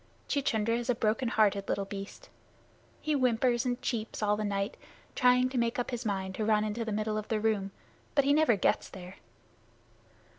Chuchundra is a broken hearted little beast. He whimpers and cheeps all the night, trying to make up his mind to run into the middle of the room. But he never gets there.